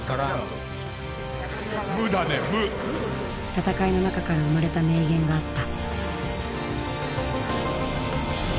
戦いの中から生まれた名言があった。